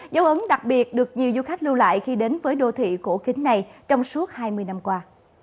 dấu ấn đặc biệt được nhiều du khách lưu lại khi đến với đô thị cổ kính này trong suốt hai mươi năm qua